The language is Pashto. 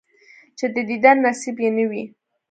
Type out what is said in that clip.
چې د دیدن نصیب یې نه وي،